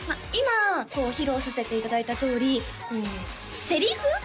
今披露させていただいたとおりセリフ？